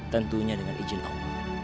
tentunya dengan izin allah